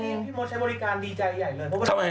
พี่มดใช้บริการดีใจใหญ่เลย